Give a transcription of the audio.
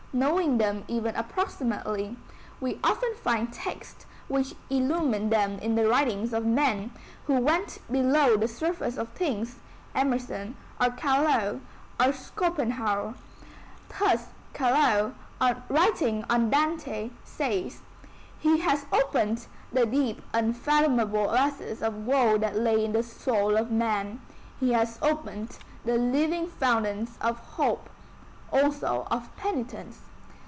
Knowing them even approximately, we often find texts which illumine them in the writings of men who went below the surface of things, Emerson, or Carlyle, or Schopenhauer. Thus Carlyle, writing on Dante says: "He has opened the deep unfathomable oasis of woe that lay in the soul of man; he has opened the living fountains of hope, also of penitence."